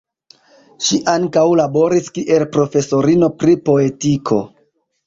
Ŝi ankaŭ laboris kiel profesorino pri poetiko.